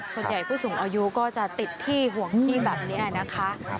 ส่วนใหญ่ผู้สูงอายุก็จะติดที่ห่วงที่แบบนี้แหละนะคะ